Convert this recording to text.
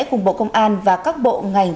cùng bộ công an và các bộ ngành